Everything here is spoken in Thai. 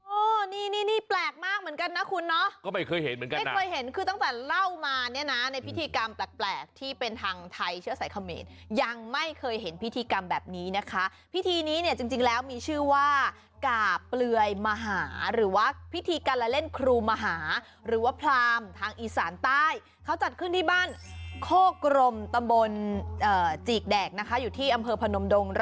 โอ้นี่นี่แปลกมากเหมือนกันนะคุณเนาะก็ไม่เคยเห็นเหมือนกันไม่เคยเห็นคือตั้งแต่เล่ามาเนี่ยนะในพิธีกรรมแปลกที่เป็นทางไทยเชื้อสายเขมรยังไม่เคยเห็นพิธีกรรมแบบนี้นะคะพิธีนี้เนี่ยจริงแล้วมีชื่อว่ากาบเปลือยมหาหรือว่าพิธีการละเล่นครูมหาหรือว่าพรามทางอีสานใต้เขาจัดขึ้นที่บ้านโคกรมตำบลจีกแดกนะคะอยู่ที่อำเภอพนมดง